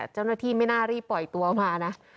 เจ้าหน้าที่ไม่น่ารีบปล่อยตัวออกมานะ